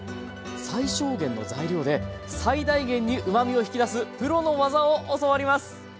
最小限の材料で最大限にうまみを引き出すプロの技を教わります！